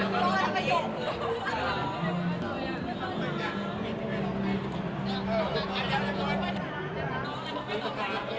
มันยอดทั้งประโยคเกิด